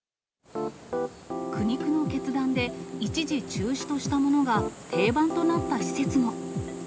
苦肉の決断で、一時、中止としたものが定番となった施設も。